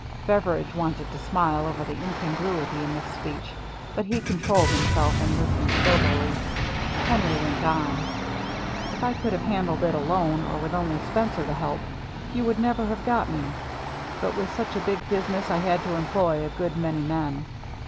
Beveridge wanted to smile over the incon gruity in this speech, but he controlled himself and listened soberly. Henry went on :—" If I could have handled it alone, or with only Spencer to help, you would never have got me. But with such a big business, I had to employ a good many men.